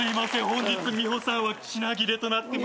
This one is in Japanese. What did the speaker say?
本日美穂さんは品切れとなってます。